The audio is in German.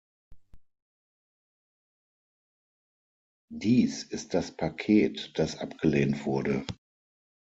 Dies ist das Paket, das abgelehnt wurde.